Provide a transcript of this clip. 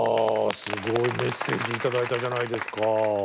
すごいメッセージ頂いたじゃないですか。